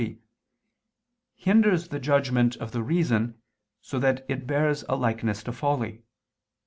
3) hinders the judgment of the reason, so that it bears a likeness to folly.